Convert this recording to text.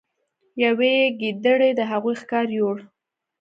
یوې ګیدړې د هغوی ښکار یووړ.